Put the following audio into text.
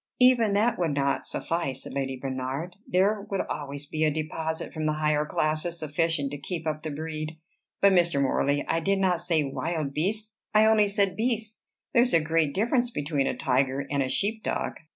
"Even that would not suffice," said Lady Bernard. "There would always be a deposit from the higher classes sufficient to keep up the breed. But, Mr. Morley, I did not say wild beasts: I only said beasts. There is a great difference between a tiger and a sheep dog."